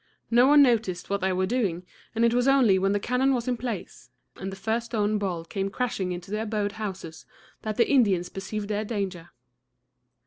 No one noticed what they were doing, and it was only when the cannon was in place, and the first stone ball came crashing into the adobe houses, that the Indians perceived their danger.